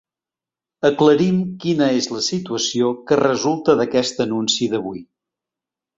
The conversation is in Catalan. Aclarim quina és la situació que resulta d’aquest anunci d’avui.